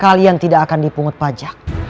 kalian tidak akan dipungut pajak